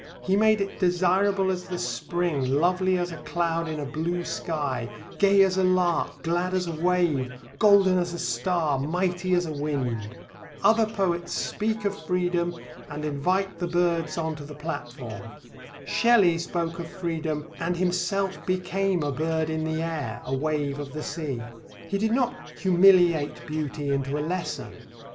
He made it desirable as the spring, lovely as a cloud in a blue sky, gay as a lark, glad as a wave, golden as a star, mighty as a wind. Other poets speak of freedom, and invite the birds on to the platform. Shelley spoke of freedom and himself became a bird in the air, a wave of the sea. He did not humiliate beauty into a lesson.